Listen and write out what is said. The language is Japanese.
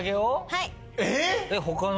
はい。